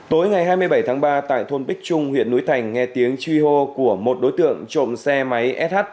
tối ngày hai mươi bảy tháng ba tại thôn bích trung huyện núi thành nghe tiếng truy hô của một đối tượng trộm xe máy sh